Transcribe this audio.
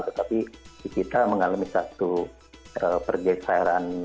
tetapi kita mengalami satu pergeseran